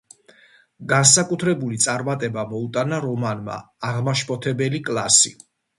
განსაკუთრებული წარმატება მოუტანა რომანმა „აღმაშფოთებელი კლასი“.